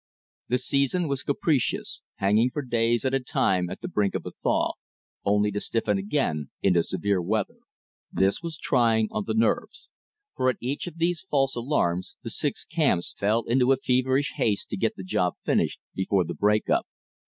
The season was capricious, hanging for days at a time at the brink of a thaw, only to stiffen again into severe weather. This was trying on the nerves. For at each of these false alarms the six camps fell into a feverish haste to get the job finished before the break up.